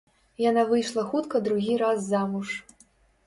Яна выйшла хутка другі раз замуж.